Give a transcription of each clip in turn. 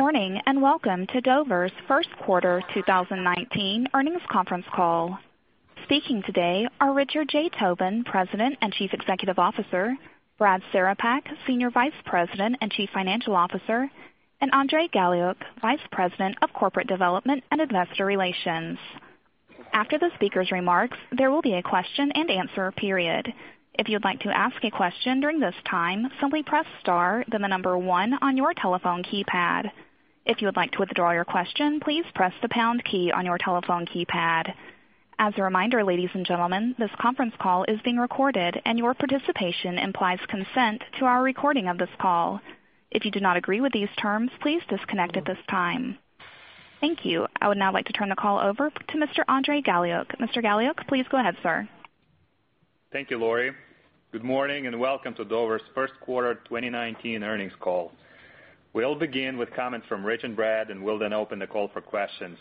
Good morning. Welcome to Dover's first quarter 2019 earnings conference call. Speaking today are Richard J. Tobin, President and Chief Executive Officer, Brad Cerepak, Senior Vice President and Chief Financial Officer, and Andrey Galiuk, Vice President of Corporate Development and Investor Relations. After the speakers' remarks, there will be a question-and-answer period. If you'd like to ask a question during this time, simply press star then the number one on your telephone keypad. If you would like to withdraw your question, please press the pound key on your telephone keypad. As a reminder, ladies and gentlemen, this conference call is being recorded, and your participation implies consent to our recording of this call. If you do not agree with these terms, please disconnect at this time. Thank you. I would now like to turn the call over to Mr. Andrey Galiuk. Mr. Galiuk, please go ahead, sir. Thank you, Lori. Good morning. Welcome to Dover's first quarter 2019 earnings call. We'll begin with comments from Rich and Brad, and we'll then open the call for questions.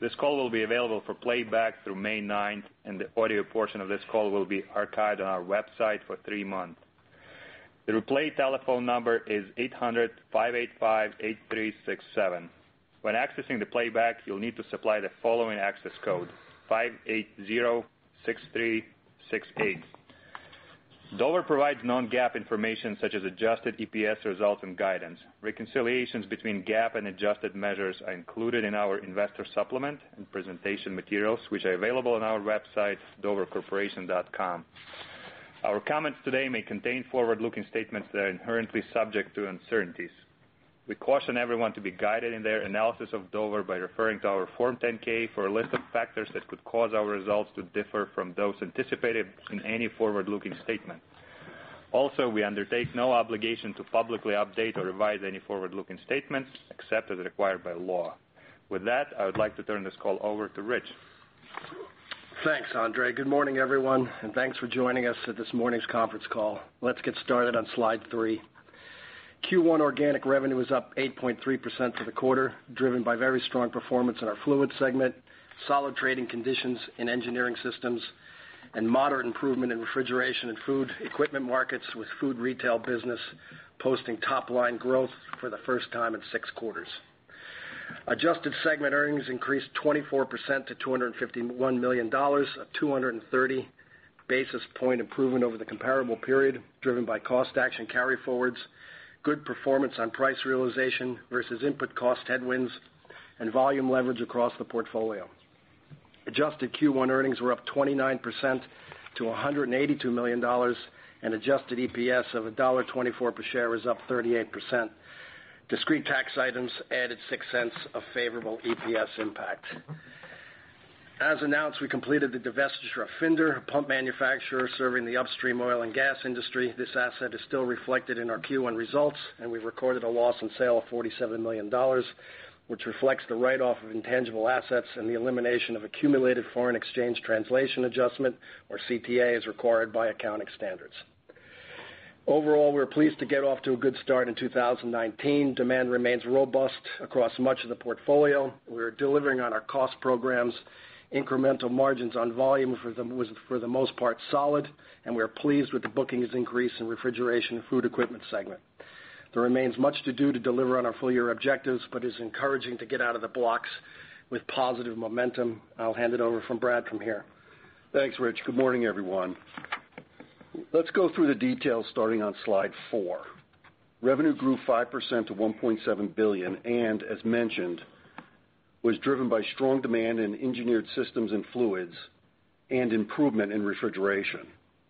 This call will be available for playback through May 9th, and the audio portion of this call will be archived on our website for three months. The replay telephone number is 800-585-8367. When accessing the playback, you'll need to supply the following access code, 5806368. Dover provides non-GAAP information such as adjusted EPS results and guidance. Reconciliations between GAAP and adjusted measures are included in our investor supplement and presentation materials, which are available on our website, dovercorporation.com. Our comments today may contain forward-looking statements that are inherently subject to uncertainties. We caution everyone to be guided in their analysis of Dover by referring to our Form 10-K for a list of factors that could cause our results to differ from those anticipated in any forward-looking statement. We undertake no obligation to publicly update or revise any forward-looking statements, except as required by law. With that, I would like to turn this call over to Rich. Thanks, Andrey. Good morning, everyone. Thanks for joining us at this morning's conference call. Let's get started on slide three. Q1 organic revenue is up 8.3% for the quarter, driven by very strong performance in our Fluids segment, solid trading conditions in Engineered Systems, and moderate improvement in Refrigeration & Food Equipment markets, with food retail business posting top-line growth for the first time in six quarters. Adjusted segment earnings increased 24% to $251 million, a 230 basis point improvement over the comparable period, driven by cost action carryforwards, good performance on price realization versus input cost headwinds, and volume leverage across the portfolio. Adjusted Q1 earnings were up 29% to $182 million, and adjusted EPS of $1.24 per share is up 38%. Discrete tax items added $0.06 of favorable EPS impact. As announced, we completed the divestiture of Finder, a pump manufacturer serving the upstream oil and gas industry. This asset is still reflected in our Q1 results, and we recorded a loss on sale of $47 million, which reflects the write-off of intangible assets and the elimination of accumulated foreign exchange translation adjustment, or CTA, as required by accounting standards. Overall, we're pleased to get off to a good start in 2019. Demand remains robust across much of the portfolio. We are delivering on our cost programs. Incremental margins on volume for the most part solid, and we are pleased with the bookings increase in Refrigeration & Food Equipment segment. There remains much to do to deliver on our full-year objectives, but it's encouraging to get out of the blocks with positive momentum. I'll hand it over from Brad from here. Thanks, Rich. Good morning, everyone. Let's go through the details starting on slide four. Revenue grew 5% to $1.7 billion and, as mentioned, was driven by strong demand in Engineered Systems and Fluids and improvement in Refrigeration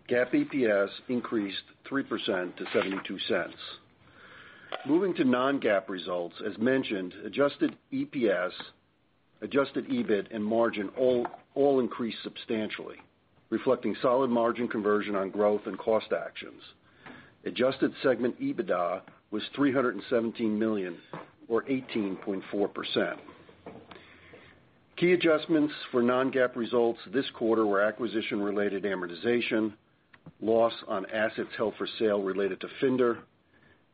& Food Equipment. GAAP EPS increased 3% to $0.72. Moving to non-GAAP results, as mentioned, adjusted EPS, adjusted EBIT, and margin all increased substantially, reflecting solid margin conversion on growth and cost actions. Adjusted segment EBITDA was $317 million or 18.4%. Key adjustments for non-GAAP results this quarter were acquisition-related amortization, loss on assets held for sale related to Finder,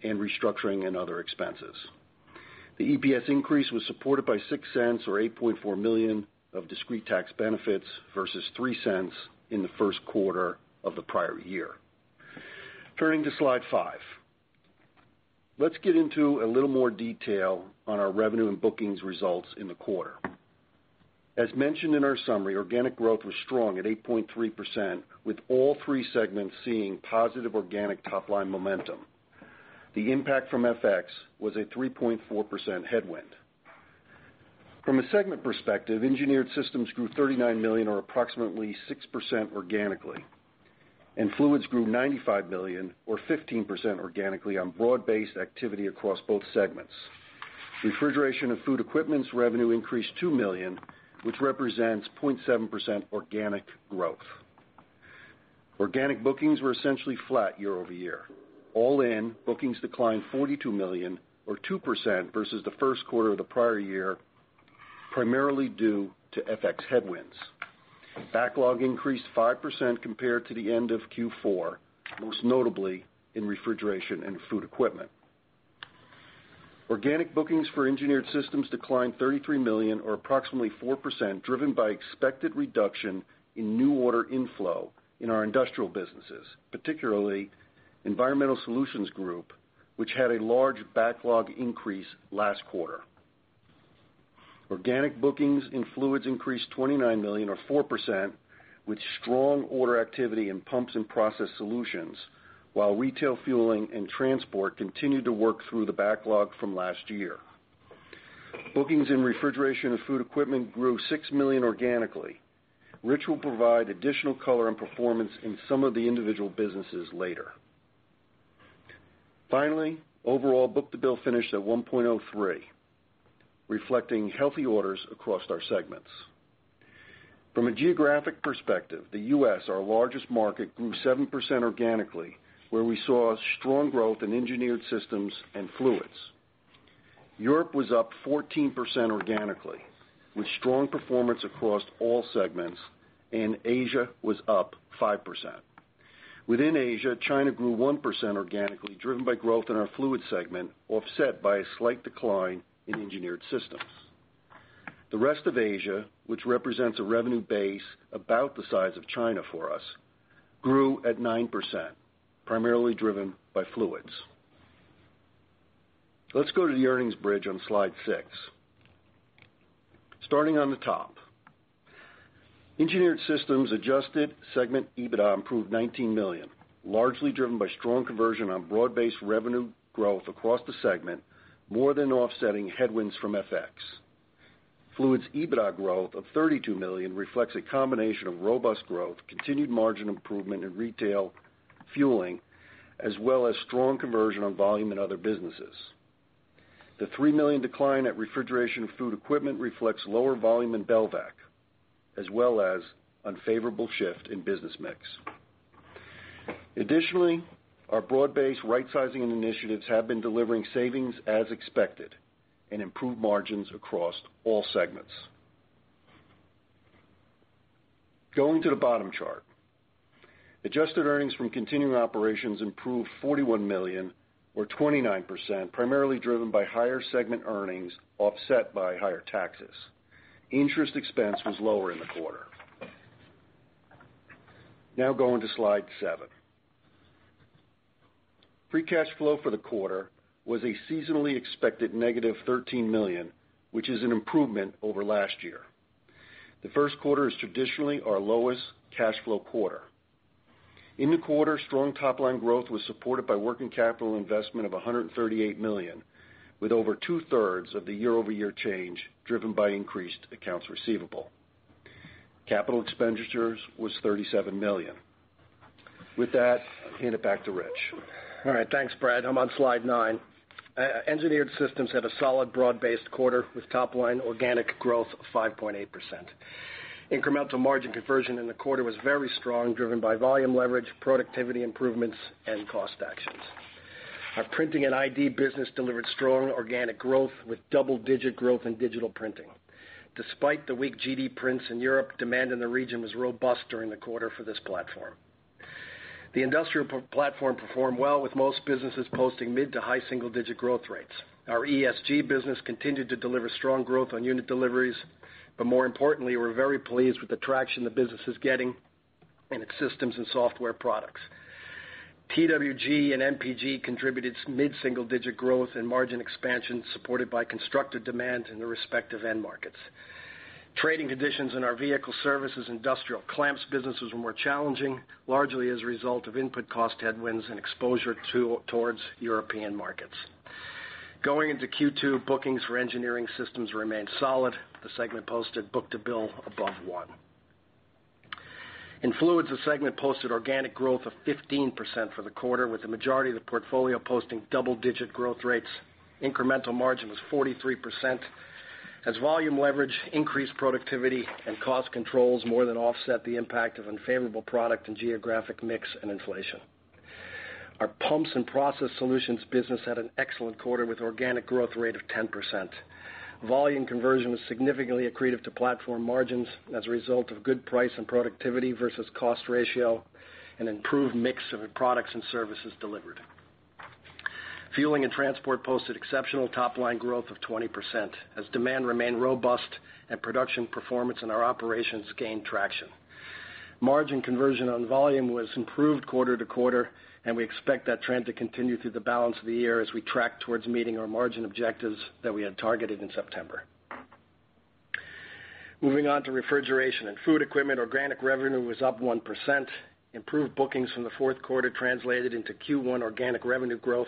and restructuring and other expenses. The EPS increase was supported by $0.06 or $8.4 million of discrete tax benefits versus $0.03 in the first quarter of the prior year. Turning to slide five. Let's get into a little more detail on our revenue and bookings results in the quarter. As mentioned in our summary, organic growth was strong at 8.3%, with all three segments seeing positive organic top-line momentum. The impact from FX was a 3.4% headwind. From a segment perspective, Engineered Systems grew $39 million or approximately 6% organically, and Fluids grew $95 million or 15% organically on broad-based activity across both segments. Refrigeration & Food Equipment's revenue increased $2 million, which represents 0.7% organic growth. Organic bookings were essentially flat year-over-year. All in, bookings declined $42 million or 2% versus the first quarter of the prior year, primarily due to FX headwinds. Backlog increased 5% compared to the end of Q4, most notably in Refrigeration & Food Equipment. Organic bookings for Engineered Systems declined $33 million or approximately 4%, driven by expected reduction in new order inflow in our industrial businesses, particularly Environmental Solutions Group, which had a large backlog increase last quarter. Organic bookings in Fluids increased $29 million or 4%, with strong order activity in Pumps & Process Solutions, while retail fueling and transport continued to work through the backlog from last year. Bookings in Refrigeration & Food Equipment grew $6 million organically, which will provide additional color on performance in some of the individual businesses later. Finally, overall book-to-bill finished at 1.03, reflecting healthy orders across our segments. From a geographic perspective, the U.S., our largest market, grew 7% organically, where we saw strong growth in Engineered Systems and Fluids. Europe was up 14% organically, with strong performance across all segments, and Asia was up 5%. Within Asia, China grew 1% organically, driven by growth in our Fluids segment, offset by a slight decline in Engineered Systems. The rest of Asia, which represents a revenue base about the size of China for us, grew at 9%, primarily driven by Fluids. Let's go to the earnings bridge on slide six. Starting on the top. Engineered Systems Adjusted Segment EBITDA improved $19 million, largely driven by strong conversion on broad-based revenue growth across the segment, more than offsetting headwinds from FX. Fluids EBITDA growth of $32 million reflects a combination of robust growth, continued margin improvement in retail fueling, as well as strong conversion on volume in other businesses. The $3 million decline at Refrigeration and Food Equipment reflects lower volume in Belvac, as well as unfavorable shift in business mix. Additionally, our broad-based rightsizing initiatives have been delivering savings as expected and improved margins across all segments. Going to the bottom chart. Adjusted earnings from continuing operations improved $41 million or 29%, primarily driven by higher segment earnings, offset by higher taxes. Interest expense was lower in the quarter. Going to slide seven. Free cash flow for the quarter was a seasonally expected -$13 million, which is an improvement over last year. The first quarter is traditionally our lowest cash flow quarter. In the quarter, strong top-line growth was supported by working capital investment of $138 million, with over two-thirds of the year-over-year change driven by increased accounts receivable. Capital expenditures was $37 million. With that, hand it back to Rich. All right. Thanks, Brad. I'm on slide nine. Engineered Systems had a solid broad-based quarter with top line organic growth of 5.8%. Incremental margin conversion in the quarter was very strong, driven by volume leverage, productivity improvements, and cost actions. Our Printing and ID business delivered strong organic growth with double-digit growth in digital printing. Despite the weak GDP prints in Europe, demand in the region was robust during the quarter for this platform. The industrial platform performed well, with most businesses posting mid to high single-digit growth rates. Our ESG business continued to deliver strong growth on unit deliveries. More importantly, we're very pleased with the traction the business is getting in its systems and software products. TWG and MPG contributed mid-single digit growth and margin expansion, supported by constructive demand in the respective end markets. Trading conditions in our Vehicle Services industrial clamps businesses were more challenging, largely as a result of input cost headwinds and exposure towards European markets. Going into Q2, bookings for Engineered Systems remained solid. The segment posted book-to-bill above one. In Fluids, the segment posted organic growth of 15% for the quarter, with the majority of the portfolio posting double-digit growth rates. Incremental margin was 43%. Volume leverage increased productivity and cost controls more than offset the impact of unfavorable product and geographic mix and inflation. Our Pumps and Process Solutions business had an excellent quarter with organic growth rate of 10%. Volume conversion was significantly accretive to platform margins as a result of good price and productivity versus cost ratio and improved mix of products and services delivered. Fueling and Transport posted exceptional top-line growth of 20% as demand remained robust and production performance in our operations gained traction. Margin conversion on volume was improved quarter-to-quarter, and we expect that trend to continue through the balance of the year as we track towards meeting our margin objectives that we had targeted in September. Moving on to Refrigeration & Food Equipment. Organic revenue was up 1%. Improved bookings from the fourth quarter translated into Q1 organic revenue growth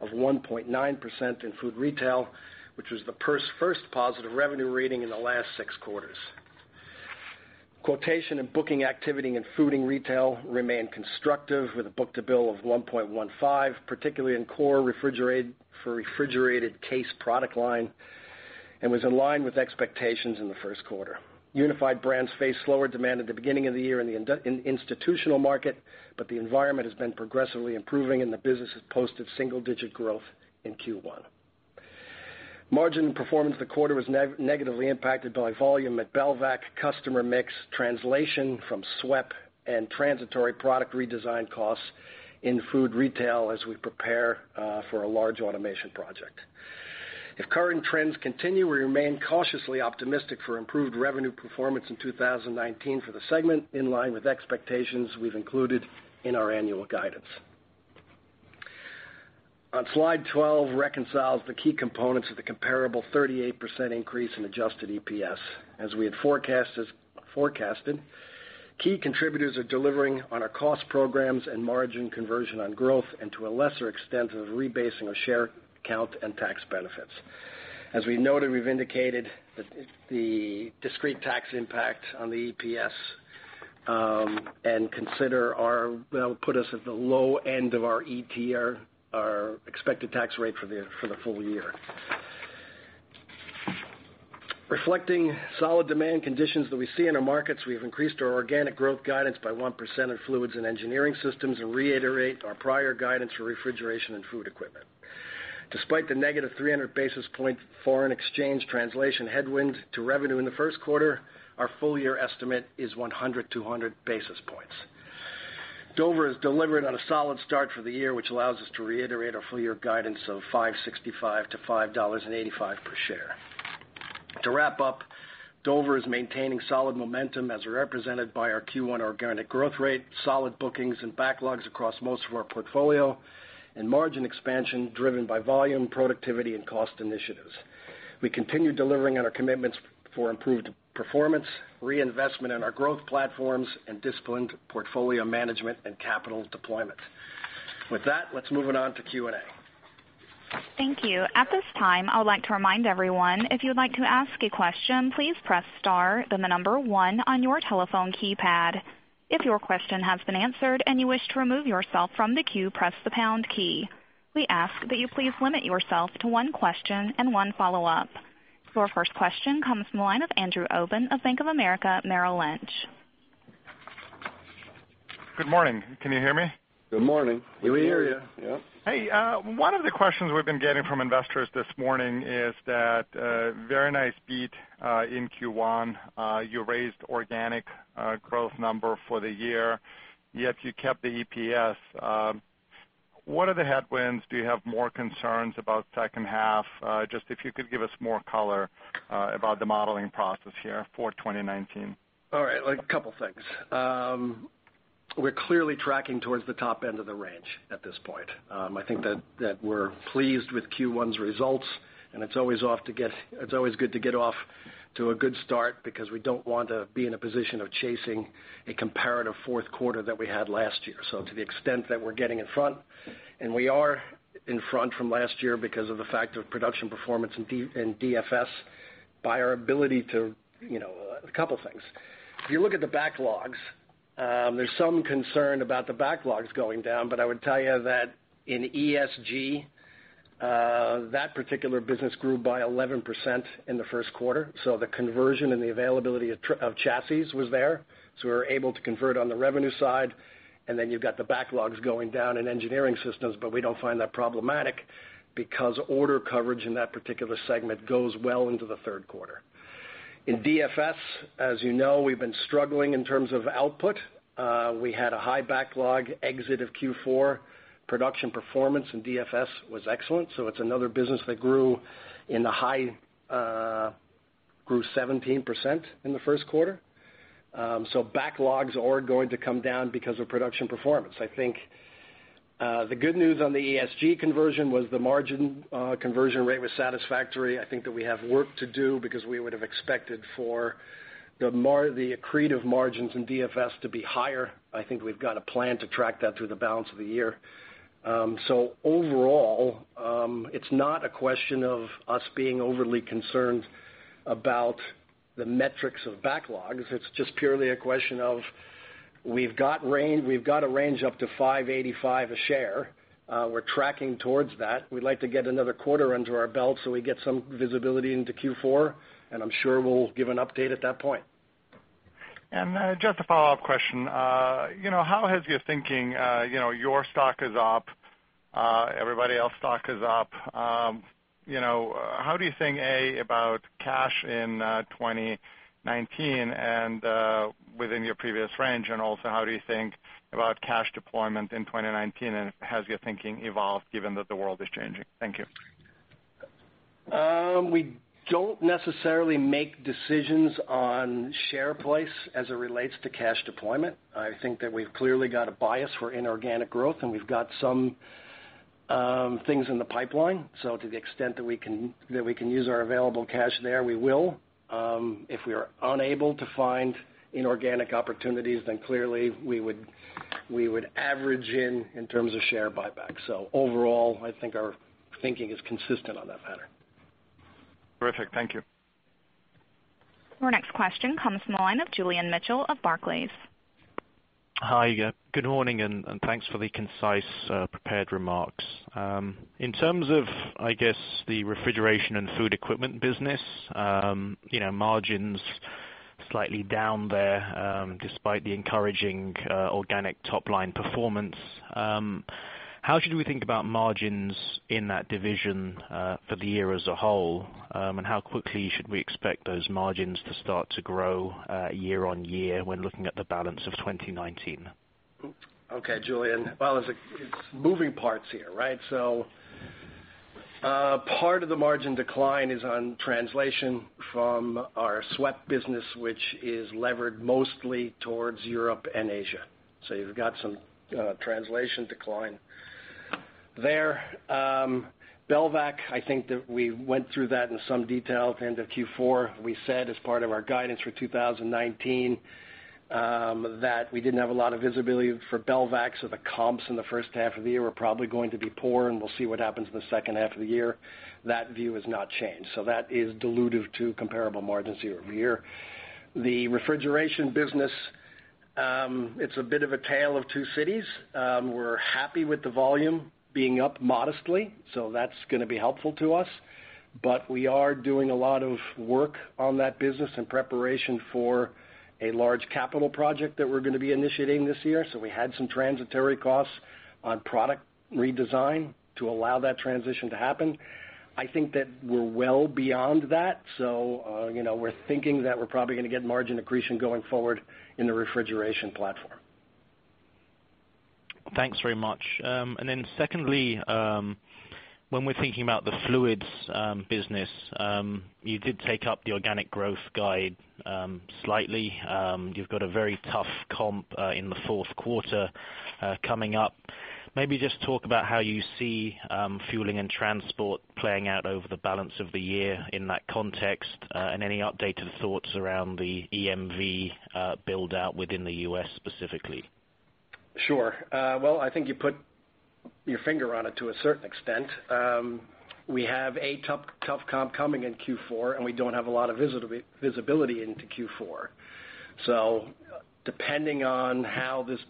of 1.9% in food retail, which was the first positive revenue reading in the last six quarters. Quotation and booking activity in food and retail remained constructive with a book-to-bill of 1.15, particularly in core for refrigerated case product line, and was in line with expectations in the first quarter. Unified Brands faced slower demand at the beginning of the year in the institutional market, but the environment has been progressively improving, and the business has posted single-digit growth in Q1. Margin performance the quarter was negatively impacted by volume at Belvac, customer mix translation from SWEP, and transitory product redesign costs in food retail as we prepare for a large automation project. If current trends continue, we remain cautiously optimistic for improved revenue performance in 2019 for the segment, in line with expectations we've included in our annual guidance. On slide 12 reconciles the key components of the comparable 38% increase in adjusted EPS. As we had forecasted, key contributors are delivering on our cost programs and margin conversion on growth, and to a lesser extent, of rebasing of share count and tax benefits. As we noted, we've indicated the discrete tax impact on the EPS, and that'll put us at the low end of our ETR, our expected tax rate for the full year. Reflecting solid demand conditions that we see in our markets, we have increased our organic growth guidance by 1% in Fluids and Engineered Systems and reiterate our prior guidance for Refrigeration & Food Equipment. Despite the negative 300 basis point foreign exchange translation headwind to revenue in the first quarter, our full-year estimate is 100, 200 basis points. Dover has delivered on a solid start for the year, which allows us to reiterate our full-year guidance of $5.65-$5.85 per share. To wrap up, Dover is maintaining solid momentum as represented by our Q1 organic growth rate, solid bookings and backlogs across most of our portfolio, and margin expansion driven by volume, productivity, and cost initiatives. We continue delivering on our commitments for improved performance, reinvestment in our growth platforms, and disciplined portfolio management and capital deployment. With that, let's move it on to Q&A. Thank you. At this time, I would like to remind everyone, if you would like to ask a question, please press star, then the number 1 on your telephone keypad. If your question has been answered and you wish to remove yourself from the queue, press the pound key. We ask that you please limit yourself to one question and one follow-up. Your first question comes from the line of Andrew Obin of Bank of America Merrill Lynch. Good morning. Can you hear me? Good morning. We hear you. Yep. Hey, one of the questions we've been getting from investors this morning is that very nice beat, in Q1. You raised organic growth number for the year, yet you kept the EPS. What are the headwinds? Do you have more concerns about second half? Just if you could give us more color about the modeling process here for 2019. All right. A couple things. We're clearly tracking towards the top end of the range at this point. I think that we're pleased with Q1's results. It's always good to get off to a good start because we don't want to be in a position of chasing a comparative fourth quarter that we had last year. To the extent that we're getting in front, and we are in front from last year because of the fact of production performance in DFS, by our ability to, a couple things. If you look at the backlogs, there's some concern about the backlogs going down, but I would tell you that in ESG, that particular business grew by 11% in the first quarter. The conversion and the availability of chassis was there, so we were able to convert on the revenue side. You've got the backlogs going down in Engineered Systems, but we don't find that problematic because order coverage in that particular segment goes well into the third quarter. In DFS, as you know, we've been struggling in terms of output. We had a high backlog exit of Q4. Production performance in DFS was excellent, so it's another business that grew 17% in the first quarter. Backlogs are going to come down because of production performance. I think, the good news on the ESG conversion was the margin conversion rate was satisfactory. I think that we have work to do because we would've expected for the accretive margins in DFS to be higher. I think we've got a plan to track that through the balance of the year. Overall, it's not a question of us being overly concerned about the metrics of backlogs. It's just purely a question of we've got a range up to $5.85 a share. We're tracking towards that. We'd like to get another quarter under our belt so we get some visibility into Q4, and I'm sure we'll give an update at that point. Just a follow-up question. How has your thinking, your stock is up, everybody else stock is up. How do you think, A, about cash in 2019 and within your previous range, and also how do you think about cash deployment in 2019, and has your thinking evolved given that the world is changing? Thank you. We don't necessarily make decisions on share place as it relates to cash deployment. I think that we've clearly got a bias for inorganic growth, and we've got some things in the pipeline. To the extent that we can use our available cash there, we will. If we are unable to find inorganic opportunities, clearly we would average in terms of share buyback. Overall, I think our thinking is consistent on that matter. Terrific. Thank you. Our next question comes from the line of Julian Mitchell of Barclays. Hi. Good morning, thanks for the concise prepared remarks. In terms of, I guess the Refrigeration & Food Equipment business, margins slightly down there, despite the encouraging organic top-line performance. How should we think about margins in that division for the year as a whole? How quickly should we expect those margins to start to grow year-on-year when looking at the balance of 2019? Okay, Julian. Well, it's moving parts here, right? Part of the margin decline is on translation from our SWEP business, which is levered mostly towards Europe and Asia. You've got some translation decline there. Belvac, I think that we went through that in some detail at the end of Q4. We said as part of our guidance for 2019, that we didn't have a lot of visibility for Belvac. The comps in the first half of the year are probably going to be poor, and we'll see what happens in the second half of the year. That view has not changed. That is dilutive to comparable margins year-over-year. The refrigeration business, it's a bit of a tale of two cities. We're happy with the volume being up modestly, that's going to be helpful to us. We are doing a lot of work on that business in preparation for a large capital project that we're going to be initiating this year. We had some transitory costs on product redesign to allow that transition to happen. I think that we're well beyond that. We're thinking that we're probably going to get margin accretion going forward in the refrigeration platform. Thanks very much. Secondly, when we're thinking about the Fluids business, you did take up the organic growth guide slightly. You've got a very tough comp in the fourth quarter coming up. Maybe just talk about how you see fueling and transport playing out over the balance of the year in that context, and any updated thoughts around the EMV build-out within the U.S. specifically. Sure. Well, I think you put your finger on it to a certain extent. We have a tough comp coming in Q4, and we don't have a lot of visibility into Q4. Depending on how this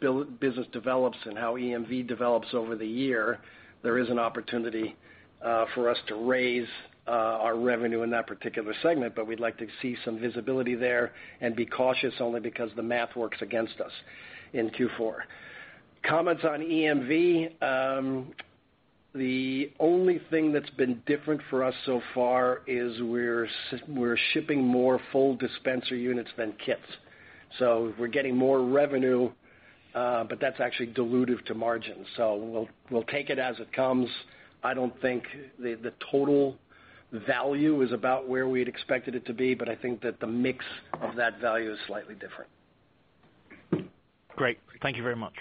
business develops and how EMV develops over the year, there is an opportunity for us to raise our revenue in that particular segment. We'd like to see some visibility there and be cautious only because the math works against us in Q4. Comments on EMV. The only thing that's been different for us so far is we're shipping more full dispenser units than kits. We're getting more revenue, but that's actually dilutive to margin. We'll take it as it comes. I don't think the total value is about where we'd expected it to be, but I think that the mix of that value is slightly different. Great. Thank you very much.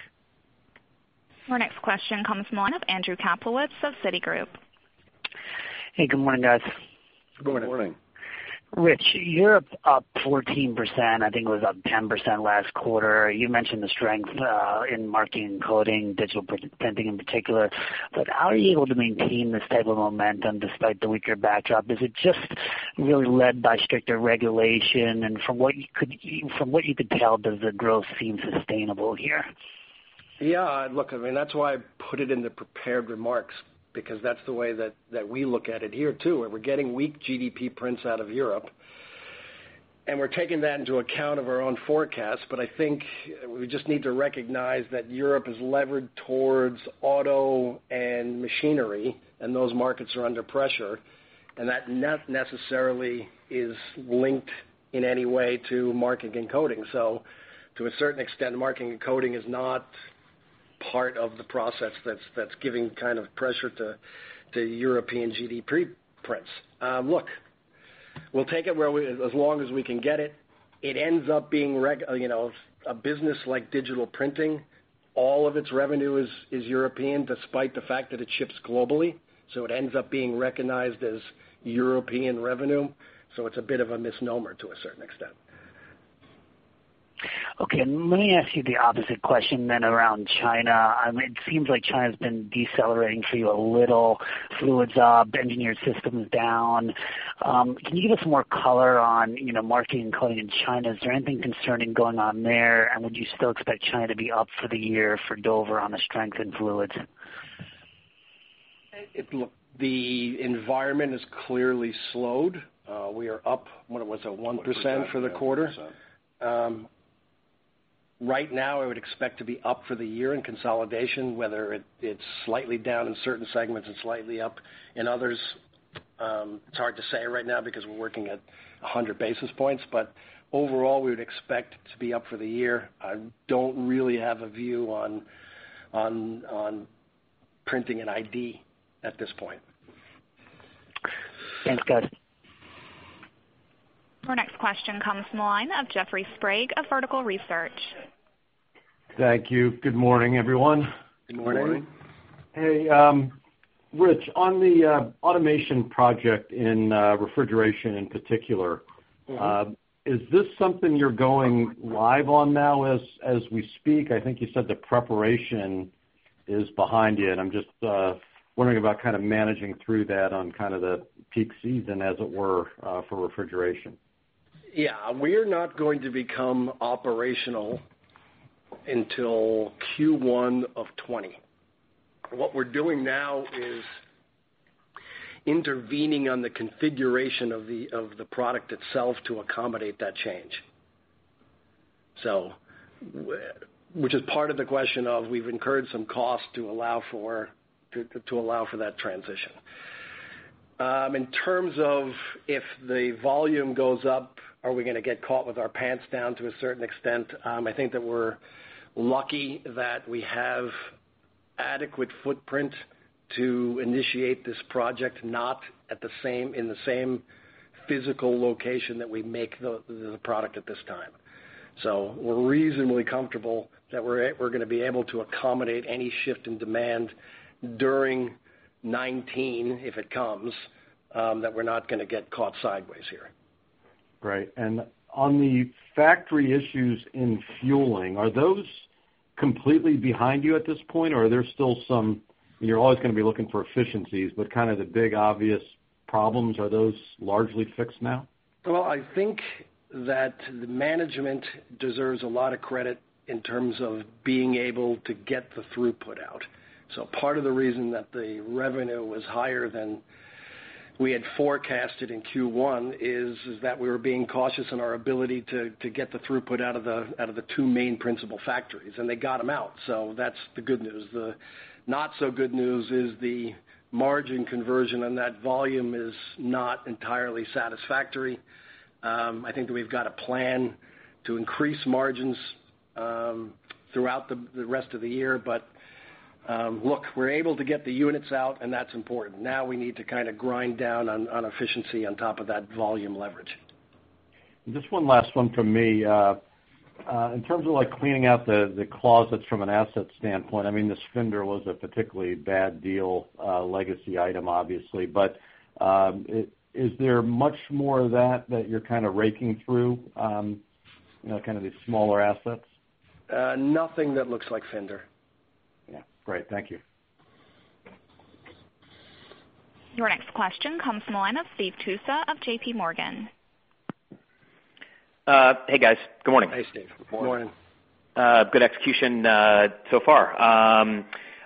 Our next question comes from the line of Andrew Kaplowitz of Citigroup. Hey, good morning, guys. Good morning. Good morning. Rich, you're up 14%. I think it was up 10% last quarter. You mentioned the strength in marking and coding, digital printing in particular, how are you able to maintain this type of momentum despite the weaker backdrop? Is it just really led by stricter regulation? From what you could tell, does the growth seem sustainable here? Yeah, look, that's why I put it in the prepared remarks, because that's the way that we look at it here too. We're getting weak GDP prints out of Europe, and we're taking that into account of our own forecast. I think we just need to recognize that Europe is levered towards auto and machinery, and those markets are under pressure, and that not necessarily is linked in any way to marking and coding. To a certain extent, marking and coding is not part of the process that's giving kind of pressure to European GDP prints. Look, we'll take it as long as we can get it. A business like digital printing, all of its revenue is European despite the fact that it ships globally, so it ends up being recognized as European revenue. It's a bit of a misnomer to a certain extent. Okay, let me ask you the opposite question around China. It seems like China's been decelerating for you a little. Fluids up, Engineered Systems down. Can you give us more color on marking and coding in China? Is there anything concerning going on there? Would you still expect China to be up for the year for Dover on the strength in Fluids? Look, the environment has clearly slowed. We are up, what was it, 1% for the quarter? 1%. Right now I would expect to be up for the year in consolidation, whether it's slightly down in certain segments and slightly up in others. It's hard to say right now because we're working at 100 basis points. Overall, we would expect to be up for the year. I don't really have a view on printing and ID at this point. Thanks, guys. Our next question comes from the line of Jeffrey Sprague of Vertical Research. Thank you. Good morning, everyone. Good morning. Good morning. Hey, Rich, on the automation project in refrigeration in particular- Is this something you're going live on now as we speak? I think you said the preparation is behind you. I'm just wondering about kind of managing through that on kind of the peak season, as it were, for refrigeration. Yeah. We're not going to become operational until Q1 of 2020. What we're doing now is intervening on the configuration of the product itself to accommodate that change. Which is part of the question of we've incurred some cost to allow for that transition. In terms of if the volume goes up, are we going to get caught with our pants down to a certain extent? I think that we're lucky that we have adequate footprint to initiate this project, not in the same physical location that we make the product at this time. We're reasonably comfortable that we're going to be able to accommodate any shift in demand during 2019, if it comes, that we're not going to get caught sideways here. Right. On the factory issues in fueling, are those completely behind you at this point, or are there still some? You're always going to be looking for efficiencies, but kind of the big obvious problems, are those largely fixed now? Well, I think that the management deserves a lot of credit in terms of being able to get the throughput out. Part of the reason that the revenue was higher than we had forecasted in Q1 is that we were being cautious in our ability to get the throughput out of the two main principal factories, and they got them out. That's the good news. The not so good news is the margin conversion on that volume is not entirely satisfactory. I think that we've got a plan to increase margins throughout the rest of the year. Look, we're able to get the units out, and that's important. Now we need to kind of grind down on efficiency on top of that volume leverage. Just one last one from me. In terms of, like, cleaning out the closets from an asset standpoint, I mean, the Finder was a particularly bad deal, legacy item, obviously. Is there much more of that that you're kind of raking through kind of these smaller assets? Nothing that looks like Finder. Yeah. Great. Thank you. Your next question comes from the line of Steve Tusa of JPMorgan. Hey, guys. Good morning. Hey, Steve. Good morning. Good morning. Good execution so far.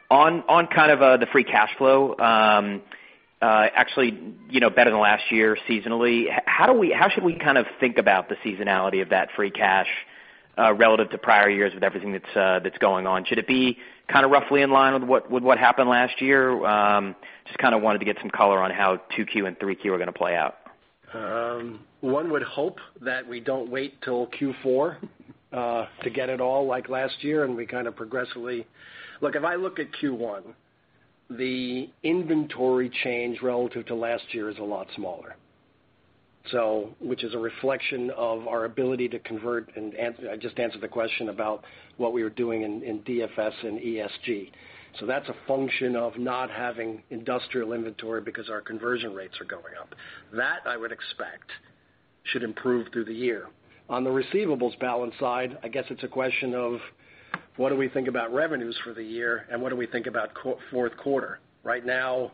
On kind of the free cash flow, actually better than last year seasonally. How should we kind of think about the seasonality of that free cash, relative to prior years with everything that's going on? Should it be kind of roughly in line with what happened last year? Just kind of wanted to get some color on how 2Q and 3Q are going to play out. One would hope that we don't wait till Q4 to get it all like last year. If I look at Q1, the inventory change relative to last year is a lot smaller. Which is a reflection of our ability to convert, and I just answered the question about what we were doing in DFS and ESG. That's a function of not having industrial inventory because our conversion rates are going up. That I would expect should improve through the year. On the receivables balance side, I guess it's a question of what do we think about revenues for the year and what do we think about fourth quarter? Right now,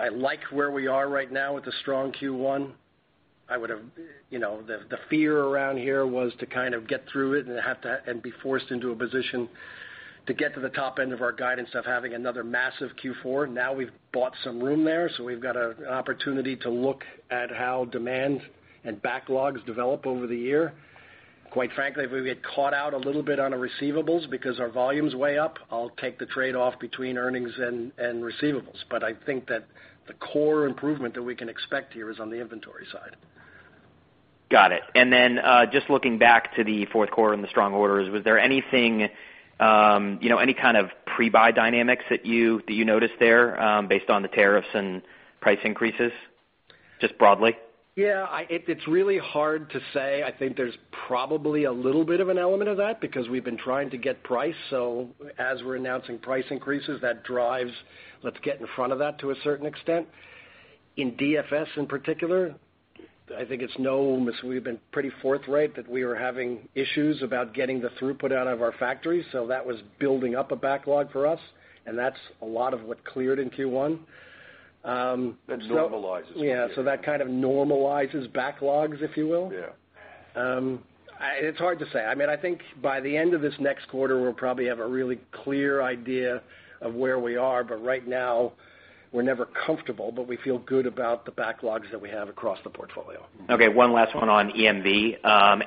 I like where we are right now with a strong Q1. The fear around here was to kind of get through it and be forced into a position to get to the top end of our guidance of having another massive Q4. We've bought some room there. We've got an opportunity to look at how demand and backlogs develop over the year. Quite frankly, if we get caught out a little bit on our receivables because our volume's way up, I'll take the trade-off between earnings and receivables. I think that the core improvement that we can expect here is on the inventory side. Got it. Just looking back to the fourth quarter and the strong orders, was there any kind of pre-buy dynamics that you noticed there, based on the tariffs and price increases, just broadly? Yeah. It's really hard to say. I think there's probably a little bit of an element of that because we've been trying to get price. As we're announcing price increases, that drives let's get in front of that to a certain extent. In DFS in particular, I think it's known as we've been pretty forthright that we are having issues about getting the throughput out of our factories. That was building up a backlog for us, and that's a lot of what cleared in Q1. That normalizes. Yeah. That kind of normalizes backlogs, if you will. Yeah. It's hard to say. I think by the end of this next quarter, we'll probably have a really clear idea of where we are. Right now, we're never comfortable, but we feel good about the backlogs that we have across the portfolio. Okay, one last one on EMV.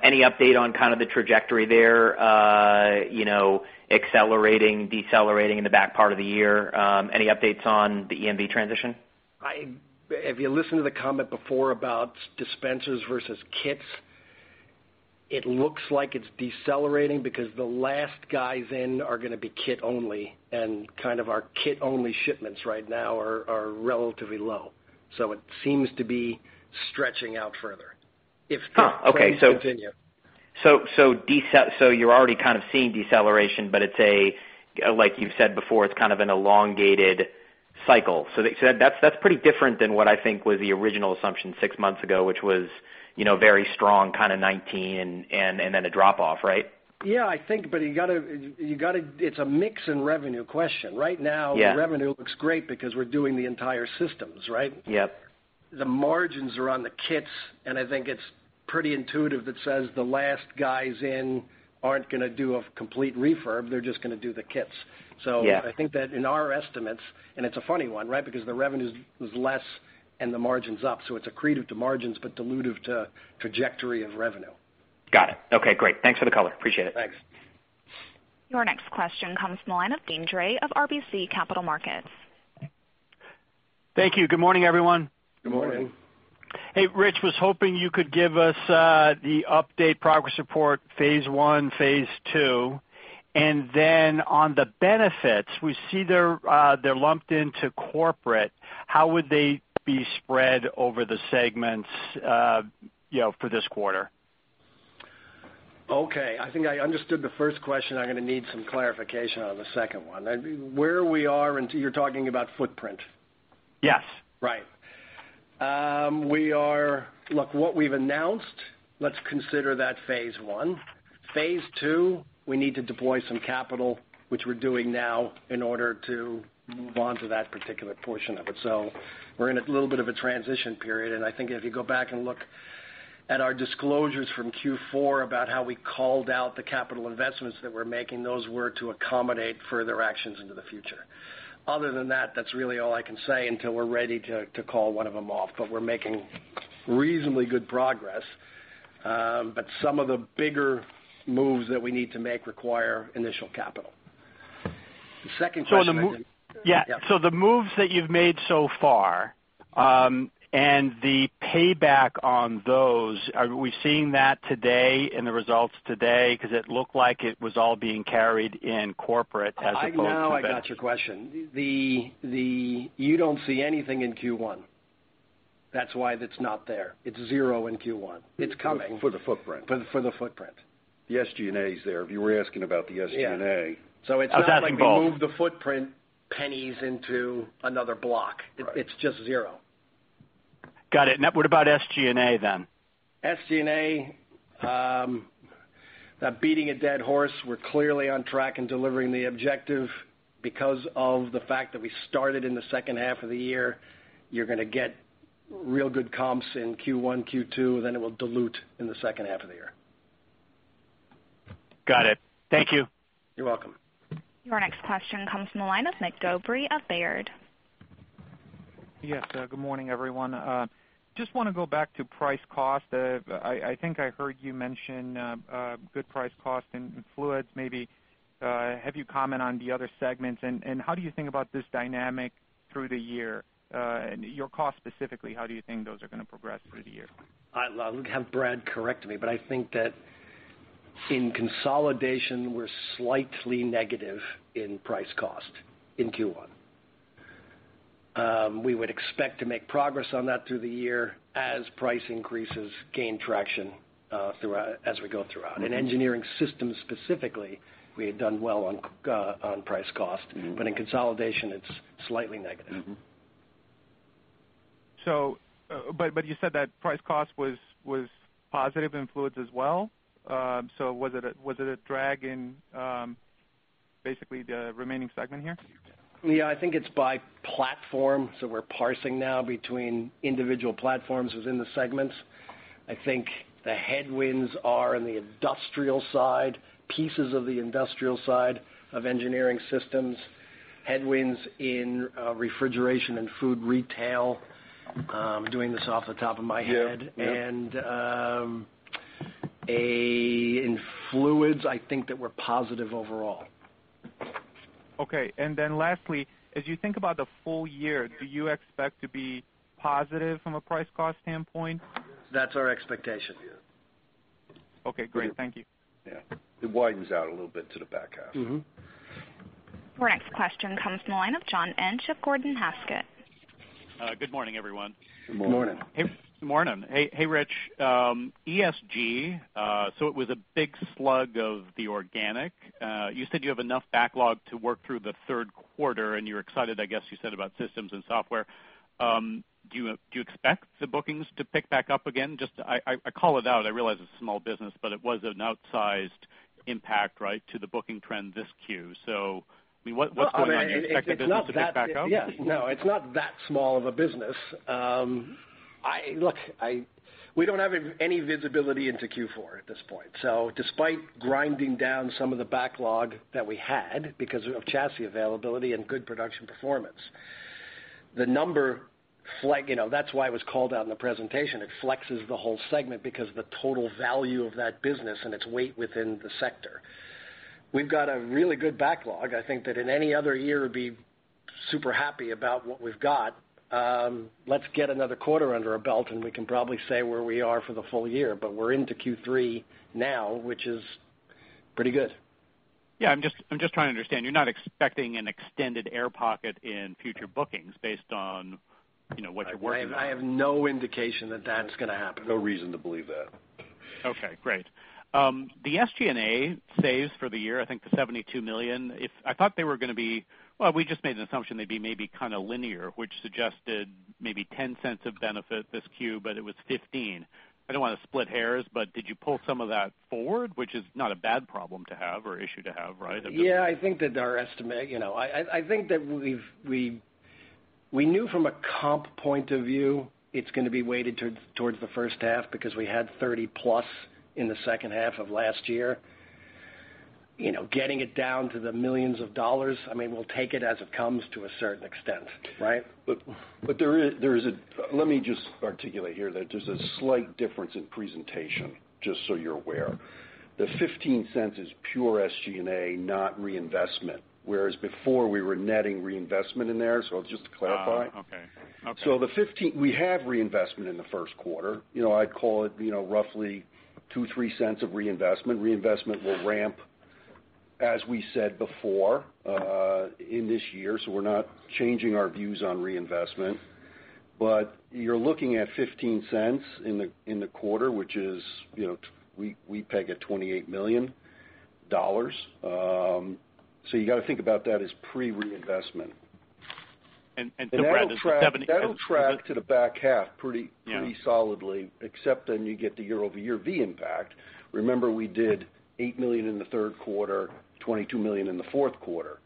Any update on kind of the trajectory there, accelerating, decelerating in the back part of the year? Any updates on the EMV transition? If you listen to the comment before about dispensers versus kits, it looks like it's decelerating because the last guys in are going to be kit only, and kind of our kit-only shipments right now are relatively low. It seems to be stretching out further. Okay. If things continue. You're already kind of seeing deceleration, like you've said before, it's kind of an elongated cycle. That's pretty different than what I think was the original assumption six months ago, which was very strong kind of 2019 and then a drop-off, right? Yeah, I think, it's a mix in revenue question. Yeah the revenue looks great because we're doing the entire systems, right? Yep. The margins are on the kits, and I think it's pretty intuitive that says the last guys in aren't going to do a complete refurb, they're just going to do the kits. Yeah. I think that in our estimates, and it's a funny one, right? Because the revenue is less and the margin's up. It's accretive to margins, but dilutive to trajectory of revenue. Got it. Okay, great. Thanks for the color. Appreciate it. Thanks. Your next question comes from the line of Deane Dray of RBC Capital Markets. Thank you. Good morning, everyone. Good morning. Hey, Rich. Was hoping you could give us the update progress report, phase one, phase two. On the benefits, we see they're lumped into Corporate. How would they be spread over the segments for this quarter? Okay. I think I understood the first question. I'm going to need some clarification on the second one. You're talking about footprint. Yes. Right. Look, what we've announced, let's consider that phase I. Phase II, we need to deploy some capital, which we're doing now in order to move on to that particular portion of it. We're in a little bit of a transition period, and I think if you go back and look at our disclosures from Q4 about how we called out the capital investments that we're making, those were to accommodate further actions into the future. Other than that's really all I can say until we're ready to call one of them off. We're making reasonably good progress. Some of the bigger moves that we need to make require initial capital. The second question again. Yeah. Yeah. The moves that you've made so far, and the payback on those, are we seeing that today in the results today? Because it looked like it was all being carried in corporate as opposed to benefits. Now I got your question. You don't see anything in Q1. That's why that's not there. It's zero in Q1. It's coming. For the footprint. For the footprint. The SG&A is there. You were asking about the SG&A. Yeah. It's not like we moved the footprint pennies into another block. Right. It's just zero. Got it. What about SG&A then? SG&A, beating a dead horse. We're clearly on track in delivering the objective. Of the fact that we started in the second half of the year, you're going to get real good comps in Q1, Q2, then it will dilute in the second half of the year. Got it. Thank you. You're welcome. Your next question comes from the line of Mig Dobre of Baird. Yes. Good morning, everyone. Just want to go back to price cost. I think I heard you mention good price cost in Fluids, maybe. Have you comment on the other segments, and how do you think about this dynamic through the year? Your cost specifically, how do you think those are going to progress through the year? I'll have Brad correct me, but I think that in consolidation, we're slightly negative in price cost in Q1. We would expect to make progress on that through the year as price increases gain traction as we go throughout. In Engineered Systems specifically, we had done well on price cost. In consolidation, it's slightly negative. You said that price cost was positive in Fluids as well. Was it a drag in basically the remaining segment here? I think it's by platform. We're parsing now between individual platforms within the segments. I think the headwinds are in the industrial side, pieces of the industrial side of Engineered Systems, headwinds in Refrigeration & Food Equipment. I'm doing this off the top of my head. Yeah. In Fluids, I think that we're positive overall. Lastly, as you think about the full year, do you expect to be positive from a price cost standpoint? That's our expectation, yeah. Okay, great. Thank you. It widens out a little bit to the back half. Your next question comes from the line of John Inch of Gordon Haskett. Good morning, everyone. Good morning. Good morning. Hey. Good morning. Hey, Rich. ESG, it was a big slug of the organic. You said you have enough backlog to work through the third quarter, and you're excited, I guess, you said about systems and software. Do you expect the bookings to pick back up again? I call it out. I realize it's a small business, but it was an outsized impact, right, to the booking trend this Q. What's going on? Do you expect the business to pick back up? No, it's not that small of a business. Look, we don't have any visibility into Q4 at this point. Despite grinding down some of the backlog that we had because of chassis availability and good production performance, the number, that's why it was called out in the presentation. It flexes the whole segment because the total value of that business and its weight within the sector. We've got a really good backlog. I think that in any other year, we'd be super happy about what we've got. Let's get another quarter under our belt, and we can probably say where we are for the full year, but we're into Q3 now, which is pretty good. Yeah, I'm just trying to understand. You're not expecting an extended air pocket in future bookings based on what you're working on? I have no indication that that's going to happen. No reason to believe that. Okay, great. The SG&A saves for the year, I think the $72 million. We just made an assumption they'd be maybe kind of linear, which suggested maybe $0.10 of benefit this Q, but it was $0.15. I don't want to split hairs, but did you pull some of that forward, which is not a bad problem to have or issue to have, right? Yeah, I think that our estimate. I think that we knew from a comp point of view, it's going to be weighted towards the first half because we had $0.30+ in the second half of last year. Getting it down to the millions of dollars, we'll take it as it comes to a certain extent. Right? Let me just articulate here that there's a slight difference in presentation, just so you're aware. The $0.15 is pure SG&A, not reinvestment, whereas before we were netting reinvestment in there. Just to clarify. Okay. We have reinvestment in the first quarter. I'd call it roughly $0.02, $0.03 of reinvestment. Reinvestment will ramp, as we said before, in this year, we're not changing our views on reinvestment. You're looking at $0.15 in the quarter, which we peg at $28 million. You got to think about that as pre-reinvestment. Brad, is the 72- That'll track to the back half pretty solidly, except then you get the year-over-year V impact. Remember, we did $8 million in the third quarter, $22 million in the fourth quarter.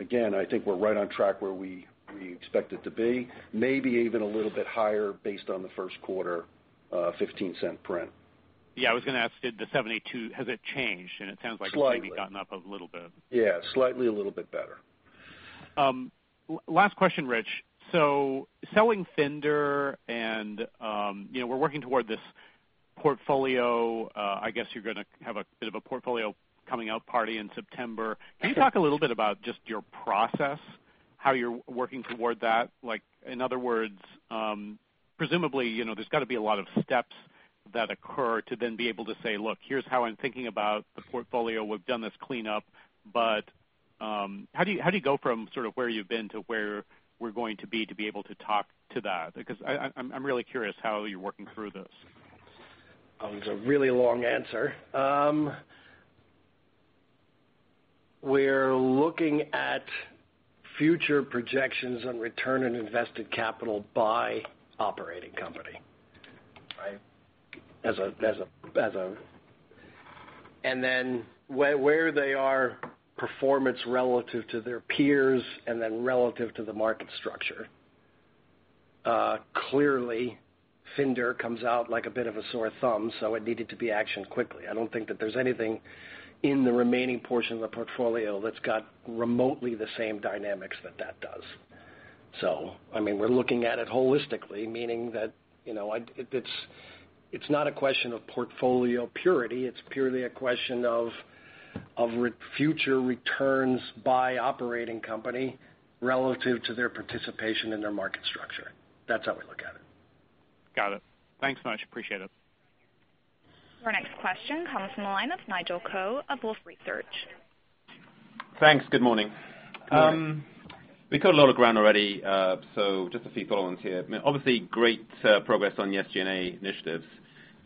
Again, I think we're right on track where we expect it to be, maybe even a little bit higher based on the first quarter $0.15 print. Yeah, I was going to ask, did the 72, has it changed? It sounds like. Slightly It's maybe gotten up a little bit. Yeah, slightly a little bit better. Last question, Rich. Selling Finder and we're working toward this portfolio, I guess you're going to have a bit of a portfolio coming out party in September. Can you talk a little bit about just your process, how you're working toward that? In other words, presumably, there's got to be a lot of steps that occur to then be able to say, "Look, here's how I'm thinking about the portfolio. We've done this cleanup." How do you go from sort of where you've been to where we're going to be to be able to talk to that? Because I'm really curious how you're working through this. It's a really long answer. We're looking at future projections on return on invested capital by operating company. Right. Where they are performance relative to their peers and then relative to the market structure. Clearly, Finder comes out like a bit of a sore thumb, so it needed to be actioned quickly. I don't think that there's anything in the remaining portion of the portfolio that's got remotely the same dynamics that that does. We're looking at it holistically, meaning that it's not a question of portfolio purity, it's purely a question of future returns by operating company relative to their participation in their market structure. That's how we look at it. Got it. Thanks much. Appreciate it. Our next question comes from the line of Nigel Coe of Wolfe Research. Thanks. Good morning. Good morning. We've covered a lot of ground already, just a few follow-ons here. Obviously, great progress on the SG&A initiatives.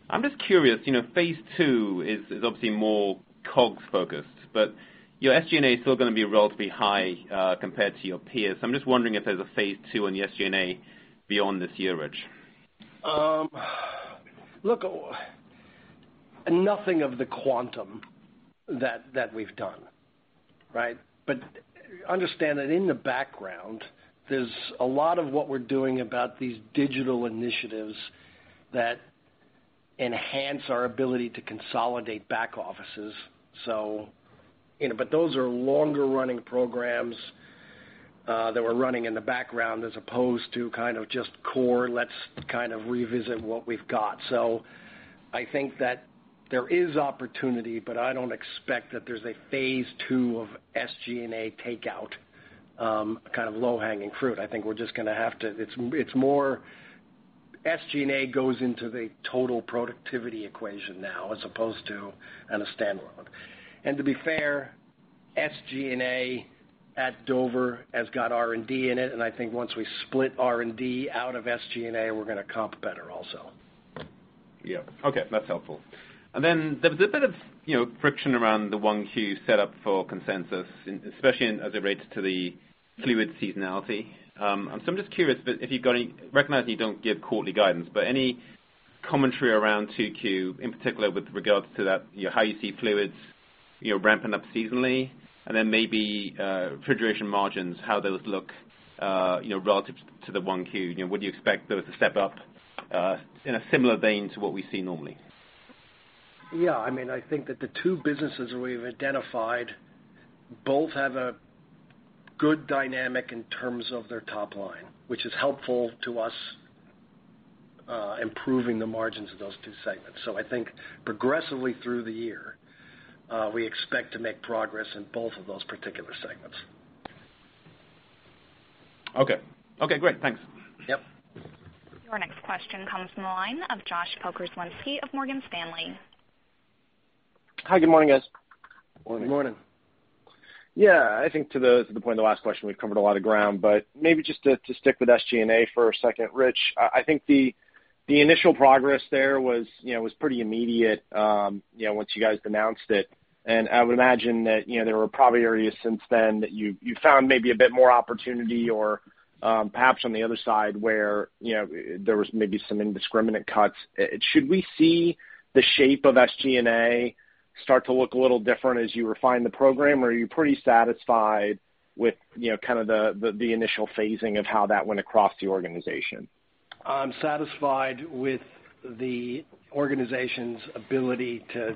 I'm just curious, phase II is obviously more COGS focused, but your SG&A is still going to be relatively high compared to your peers. I'm just wondering if there's a phase II on the SG&A beyond this year, Rich. Look, nothing of the quantum that we've done. Right? Understand that in the background, there's a lot of what we're doing about these digital initiatives that enhance our ability to consolidate back offices. Those are longer running programs that we're running in the background as opposed to kind of just core, let's kind of revisit what we've got. I think that there is opportunity, but I don't expect that there's a phase II of SG&A takeout kind of low-hanging fruit. I think it's more SG&A goes into the total productivity equation now as opposed to on a standalone. To be fair, SG&A at Dover has got R&D in it, and I think once we split R&D out of SG&A, we're going to comp better also. Yep. Okay. That's helpful. Then there was a bit of friction around the 1Q set up for consensus, especially as it relates to the Fluids seasonality. I'm just curious, recognizing you don't give quarterly guidance, but any commentary around 2Q in particular with regards to how you see Fluids ramping up seasonally and then maybe refrigeration margins, how those look relative to the 1Q? Would you expect those to step up in a similar vein to what we see normally? Yeah. I think that the two businesses we've identified both have a good dynamic in terms of their top line, which is helpful to us improving the margins of those two segments. I think progressively through the year, we expect to make progress in both of those particular segments. Okay. Okay, great. Thanks. Yep. Our next question comes from the line of Josh Pokrzywinski of Morgan Stanley. Hi, good morning, guys. Good morning. Morning. I think to the point of the last question, we've covered a lot of ground, but maybe just to stick with SG&A for a second, Rich. I think the initial progress there was pretty immediate once you guys announced it, and I would imagine that there were probably areas since then that you found maybe a bit more opportunity or perhaps on the other side where there was maybe some indiscriminate cuts. Should we see the shape of SG&A start to look a little different as you refine the program, or are you pretty satisfied with kind of the initial phasing of how that went across the organization? I'm satisfied with the organization's ability to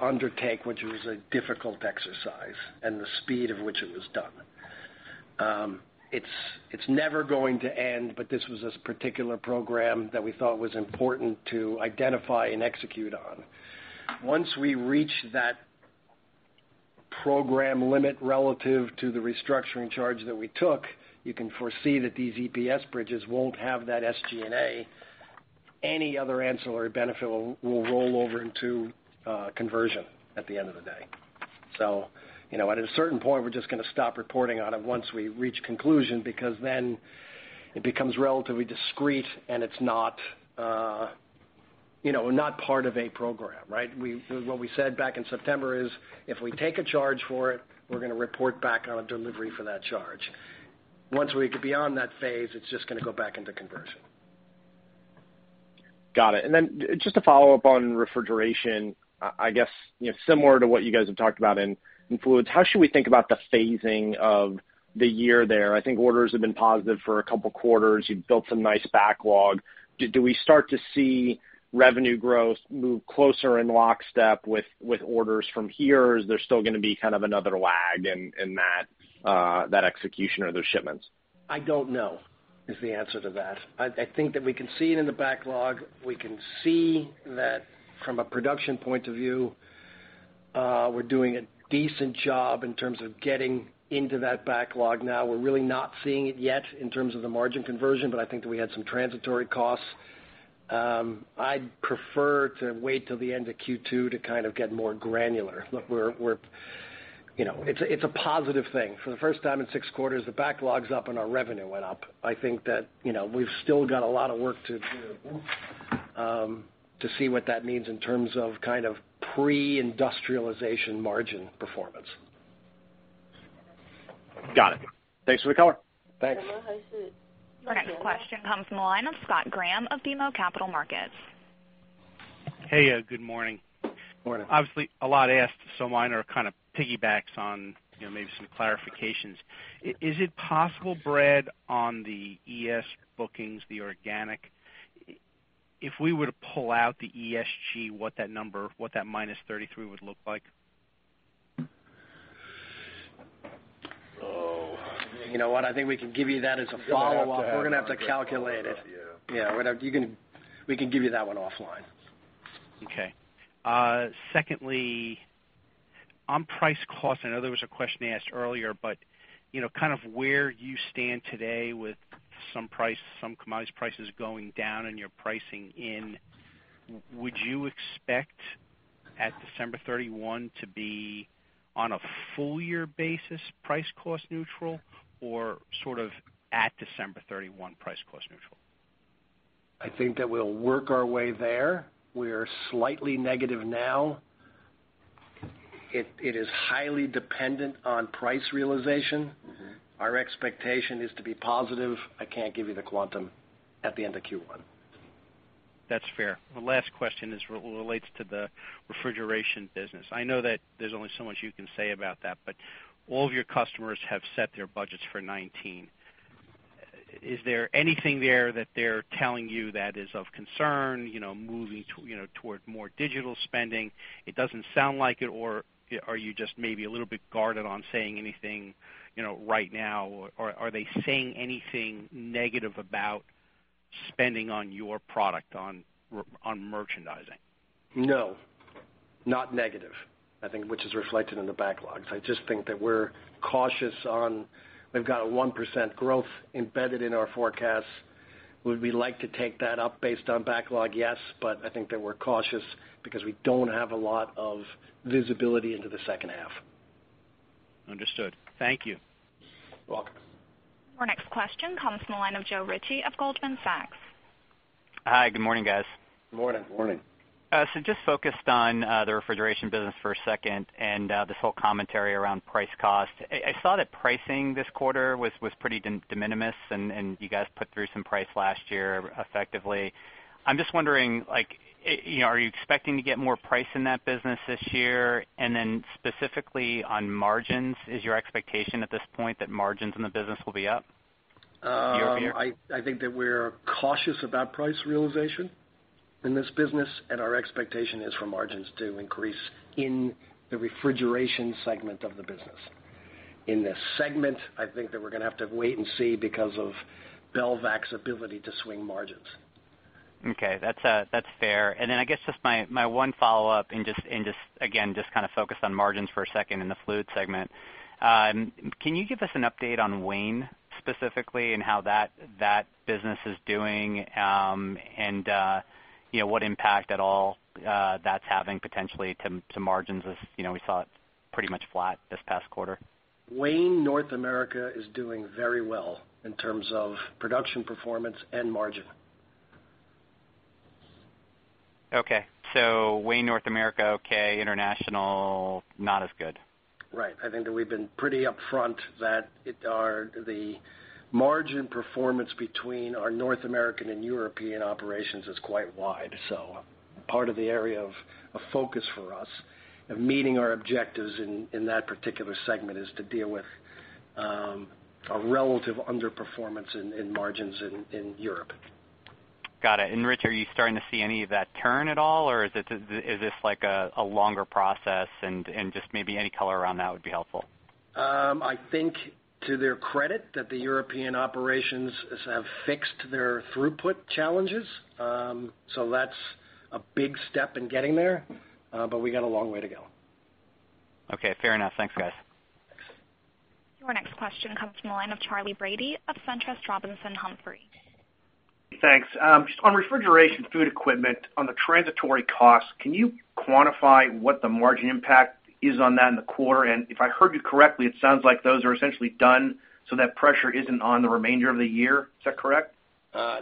undertake what was a difficult exercise, and the speed of which it was done. It's never going to end, but this was a particular program that we thought was important to identify and execute on. Once we reach that program limit relative to the restructuring charge that we took, you can foresee that these EPS bridges won't have that SG&A. Any other ancillary benefit will roll over into conversion at the end of the day. At a certain point, we're just going to stop reporting on it once we reach conclusion, because then it becomes relatively discrete and it's not part of a program, right? What we said back in September is, if we take a charge for it, we're going to report back on a delivery for that charge. Once we get beyond that phase, it's just going to go back into conversion. Got it. Just to follow up on refrigeration, I guess, similar to what you guys have talked about in fluids, how should we think about the phasing of the year there? I think orders have been positive for a couple of quarters. You've built some nice backlog. Do we start to see revenue growth move closer in lockstep with orders from here, or is there still going to be kind of another lag in that execution or those shipments? I don't know, is the answer to that. I think that we can see it in the backlog. We can see that from a production point of view, we're doing a decent job in terms of getting into that backlog now. We're really not seeing it yet in terms of the margin conversion, but I think that we had some transitory costs. I'd prefer to wait till the end of Q2 to kind of get more granular. Look, it's a positive thing. For the first time in six quarters, the backlog's up and our revenue went up. I think that we've still got a lot of work to do to see what that means in terms of pre-industrialization margin performance. Got it. Thanks for the color. Thanks. Our next question comes from the line of Scott Graham of BMO Capital Markets. Hey, good morning. Morning. Obviously, a lot asked, mine are kind of piggybacks on maybe some clarifications. Is it possible, Brad, on the ES bookings, the organic, if we were to pull out the ESG, what that number, what that -32 would look like? You know what? I think we can give you that as a follow-up. We're going to have to have our folks follow up, yeah. We're going to have to calculate it. Yeah. We can give you that one offline. Okay. Secondly, on price cost, I know there was a question asked earlier, kind of where you stand today with some price, some commodities prices going down and you're pricing in, would you expect at December 31 to be on a full year basis price cost neutral or sort of at December 31 price cost neutral? I think that we'll work our way there. We are slightly negative now. It is highly dependent on price realization. Our expectation is to be positive. I can't give you the quantum at the end of Q1. That's fair. My last question is relates to the refrigeration business. I know that there's only so much you can say about that. All of your customers have set their budgets for 2019. Is there anything there that they're telling you that is of concern, moving toward more digital spending? It doesn't sound like it. Are you just maybe a little bit guarded on saying anything right now? Are they saying anything negative about spending on your product, on merchandising? No, not negative, I think, which is reflected in the backlogs. I just think that we're cautious on, we've got a 1% growth embedded in our forecast. Would we like to take that up based on backlog? Yes. I think that we're cautious because we don't have a lot of visibility into the second half. Understood. Thank you. You're welcome. Our next question comes from the line of Joe Ritchie of Goldman Sachs. Hi, good morning, guys. Good morning. Morning. Just focused on the refrigeration business for a second and this whole commentary around price cost. I saw that pricing this quarter was pretty de minimis, and you guys put through some price last year effectively. I'm just wondering, are you expecting to get more price in that business this year? Then specifically on margins, is your expectation at this point that margins in the business will be up year-over-year? I think that we're cautious about price realization in this business, and our expectation is for margins to increase in the refrigeration segment of the business. In this segment, I think that we're going to have to wait and see because of Belvac's ability to swing margins. Okay. That's fair. Then I guess just my one follow-up and just, again, just kind of focused on margins for a second in the Fluids segment. Can you give us an update on Wayne specifically and how that business is doing? What impact at all that's having potentially to margins as we saw it pretty much flat this past quarter. Wayne North America is doing very well in terms of production performance and margin. Okay. Wayne North America, okay. International, not as good. Right. I think that we've been pretty upfront that the margin performance between our North American and European operations is quite wide. Part of the area of focus for us and meeting our objectives in that particular segment is to deal with a relative underperformance in margins in Europe. Got it. Rich, are you starting to see any of that turn at all, or is this like a longer process, and just maybe any color around that would be helpful? I think to their credit that the European operations have fixed their throughput challenges. That's a big step in getting there, but we got a long way to go. Fair enough. Thanks, guys. Your next question comes from the line of Charley Brady of SunTrust Robinson Humphrey. Thanks. Just on Refrigeration & Food Equipment, on the transitory costs, can you quantify what the margin impact is on that in the quarter? If I heard you correctly, it sounds like those are essentially done, so that pressure isn't on the remainder of the year. Is that correct?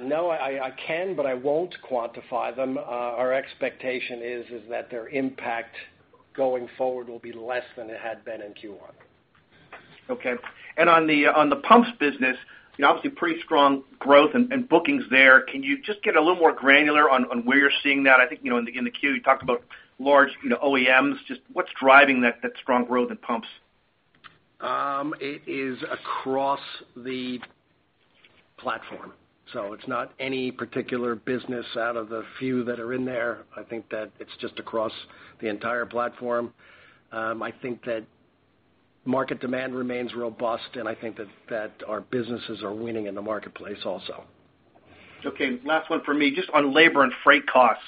No, I can, but I won't quantify them. Our expectation is that their impact going forward will be less than it had been in Q1. Okay. On the pumps business, obviously pretty strong growth and bookings there. Can you get a little more granular on where you're seeing that? I think, in the Q you talked about large OEMs. What's driving that strong growth in pumps? It is across the platform. It's not any particular business out of the few that are in there. I think that it's just across the entire platform. I think that market demand remains robust, and I think that our businesses are winning in the marketplace also. Okay, last one for me, on labor and freight costs.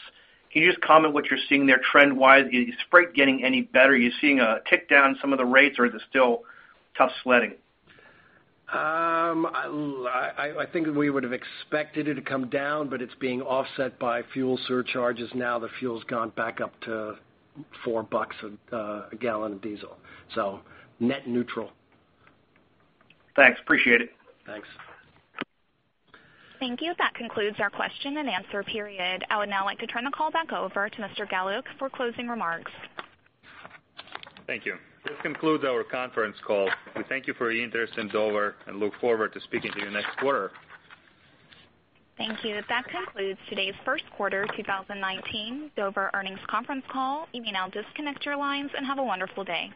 Can you comment what you're seeing there trend wise? Is freight getting any better? Are you seeing a tick down some of the rates or is it still tough sledding? I think we would've expected it to come down, but it's being offset by fuel surcharges now that fuel's gone back up to $4 a gallon of diesel. Net neutral. Thanks, appreciate it. Thanks. Thank you. That concludes our question and answer period. I would now like to turn the call back over to Mr. Galiuk for closing remarks. Thank you. This concludes our conference call. We thank you for your interest in Dover and look forward to speaking to you next quarter. Thank you. That concludes today's first quarter 2019 Dover earnings conference call. You may now disconnect your lines and have a wonderful day.